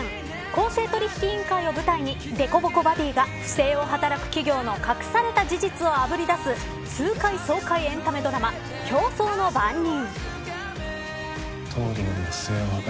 公正取引委員会を舞台にでこぼこバディーが不正を働く企業の隠された事実をあぶり出す痛快、爽快エンタメドラマ競争の番人。